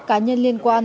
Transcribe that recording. cá nhân liên quan